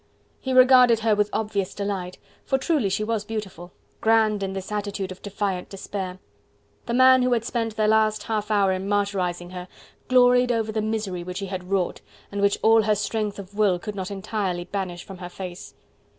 He regarded her with obvious delight, for truly she was beautiful: grand in this attitude of defiant despair. The man, who had spent the last half hour in martyrizing her, gloried over the misery which he had wrought, and which all her strength of will could not entirely banish from her face.